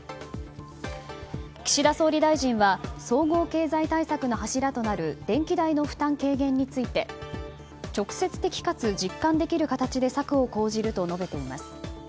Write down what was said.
岸田総理大臣は総合経済対策の柱となる電気代の負担軽減について直接的かつ実感できる形で策を講じると述べています。